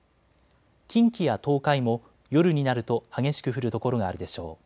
近畿や東海も夜になると激しく降る所があるでしょう。